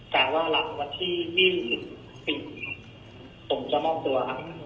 แต่ว่าหลังวันที่๒๑ผมจะมอบตัวครับ